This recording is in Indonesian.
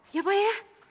ya pak ya